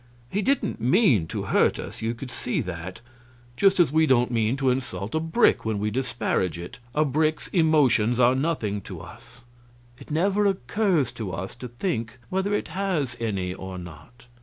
He didn't mean to hurt us, you could see that; just as we don't mean to insult a brick when we disparage it; a brick's emotions are nothing to us; it never occurs to us to think whether it has any or not.